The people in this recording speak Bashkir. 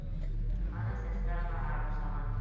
Ана, сәстәрең ағара башлаған.